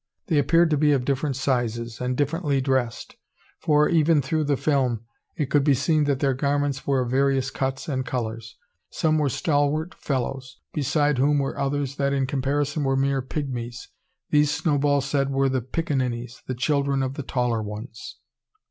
They appeared to be of different sizes, and differently dressed: for, even through the film, it could be seen that their garments were of various cuts and colours. Some were stalwart fellows, beside whom were others that in comparison were mere pygmies. These Snowball said were the "pickaninnies," the children of the taller ones.